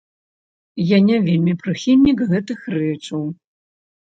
Я не вельмі прыхільнік гэтых рэчаў.